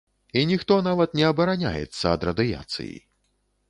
І ніхто нават не абараняецца ад радыяцыі.